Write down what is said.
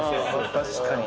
確かに。